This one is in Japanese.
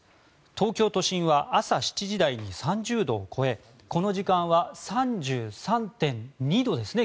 東京都心は朝７時台に３０度を超えこの時間は３３．２度ですね。